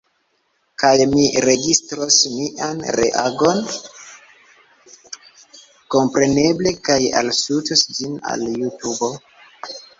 Kaj mi registros mian reagon, kompreneble, kaj alŝutos ĝin al Jutubo.